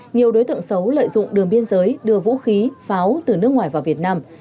nhiều đối tượng xấu lợi dụng đường biên giới đưa vũ khí pháo từ nước ngoài vào việt nam